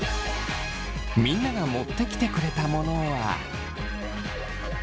みんなが持ってきてくれたモノは。